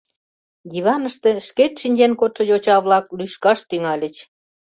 Диваныште шкет шинчен кодшо йоча-влак лӱшкаш тӱҥальыч.